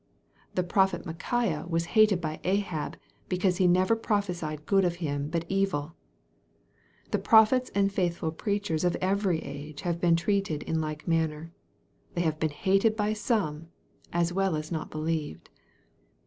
The prophet Micaiah was hated by Ahab, " be cause he never prophesied good of him, but evil." The prophets and faithful preachers of every age have been treated in like manner. They have been hated by some, as well as not believed.